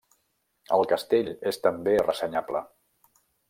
El castell és també ressenyable.